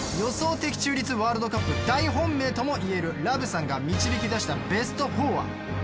的中率ワールドカップ大本命ともいえるＬｏｖｅさんが導き出したベスト４は。